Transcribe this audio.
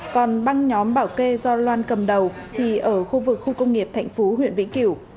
còn băng nhóm bảo kê do loan cầm đầu thì ở khu vực khu công nghiệp thạnh phú huyện vĩnh kiểu